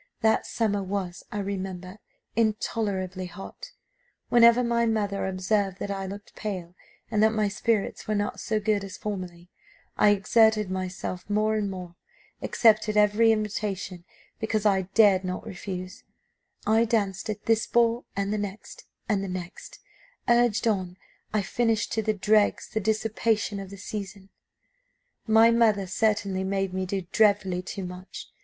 That summer was, I remember, intolerably hot. Whenever my mother observed that I looked pale, and that my spirits were not so good as formerly, I exerted myself more and more; accepted every invitation because I dared not refuse; I danced at this ball, and the next, and the next; urged on, I finished to the dregs the dissipation of the season. "My mother certainly made me do dreadfully too much.